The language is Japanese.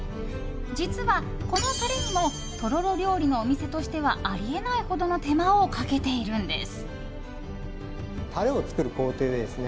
実は、このタレにもとろろ料理のお店としてはあり得ないほどの手間をかけているんです。